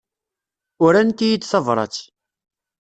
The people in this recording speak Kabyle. Urant-iyi-d tabrat.